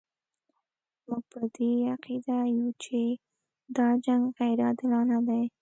موږ په دې عقیده یو چې دا جنګ غیر عادلانه دی.